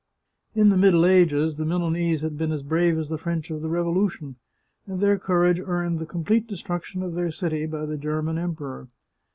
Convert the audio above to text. In the middle ages, the Milanese had been as brave as the French of the Revolution, and their courage earned the complete destruction of their city by the German em peror.